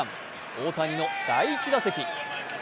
大谷の第１打席。